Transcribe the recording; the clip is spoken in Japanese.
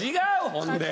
ほんで。